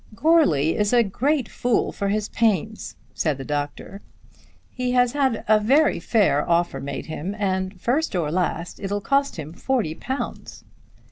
"Goarly is a great fool for his pains," said the doctor. "He has had a very fair offer made him, and, first or last, it'll cost him forty pounds."